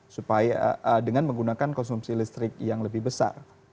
supaya dengan menggunakan konsumsi listrik yang lebih besar